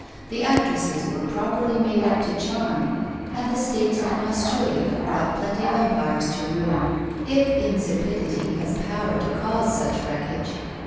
The actresses were properly made up to charm, and the statesmen must surely have brought plenty of empires to ruin, if insipidity has power to cause such wreckage.